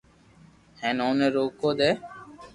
ھين اوني روڪو دي